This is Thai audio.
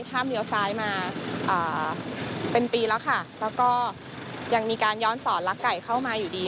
เลี้ยวซ้ายมาเป็นปีแล้วค่ะแล้วก็ยังมีการย้อนสอนลักไก่เข้ามาอยู่ดี